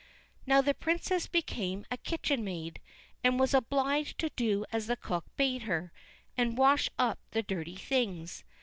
Now the princess became a kitchen maid, and was obliged to do as the cook bade her, and wash up the dirty things.